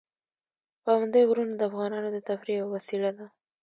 پابندی غرونه د افغانانو د تفریح یوه وسیله ده.